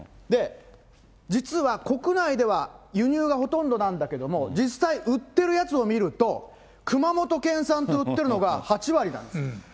で、実は国内では輸入がほとんどなんだけども、実際売ってるやつを見ると、熊本県産と売ってるのが８割なんです。